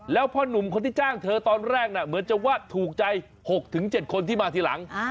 แล้วพ่อหนุ่มคนที่จ้างเธอตอนแรกเหมือนจะว่าถูกใจ๖๗คนที่มาทีหลัง